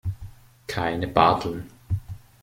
Keine Barteln.